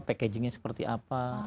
packagingnya seperti apa